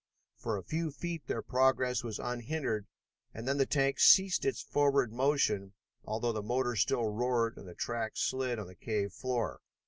For a few feet their progress was unhindered and then the tank ceased its forward motion, although the motor still roared and the track slid on the cave floor.